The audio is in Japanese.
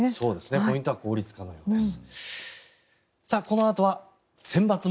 ポイントは効率化のようです。